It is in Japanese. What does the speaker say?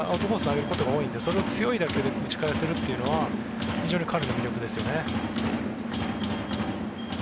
投げることが多いのでそれを強い打球で打ち返せるというのは彼の魅力ですよね。